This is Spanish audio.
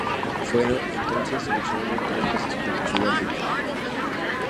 Fue entonces seleccionado tres veces contra Sudáfrica.